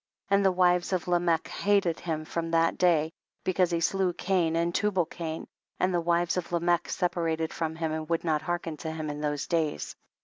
33. And the wives of Lamech ha led him from that day, because ho slew Cain and Tubal Cain, and the wives of Lamech separated from him, and would not hearken to him in those days.